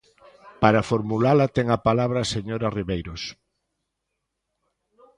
Para formulala ten a palabra a señora Ribeiros.